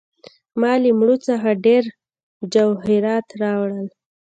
ما له مړو څخه ډیر جواهرات راوړل.